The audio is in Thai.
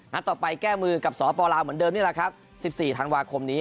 ต่อไปแก้มือกับสปลาวเหมือนเดิมนี่แหละครับ๑๔ธันวาคมนี้